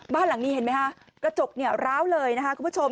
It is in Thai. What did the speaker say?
บ้านหลังนี้เห็นไหมคะกระจกเนี่ยร้าวเลยนะคะคุณผู้ชม